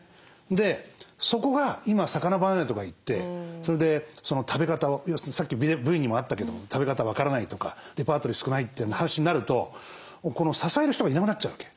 でそこが今魚離れとかいってそれで食べ方をさっきＶにもあったけど食べ方分からないとかレパートリー少ないって話になると支える人がいなくなっちゃうわけ。